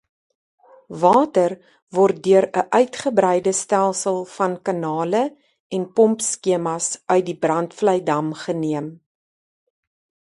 Water word deur 'n uitgebreide stelsel van kanale en pompskemas uit die Brandvleidam geneem.